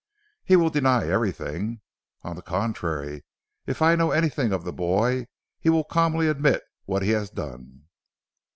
"He will deny everything." "On the contrary if I know anything of the boy, he will calmly admit what he has done."